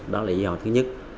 đó là lý do thứ nhất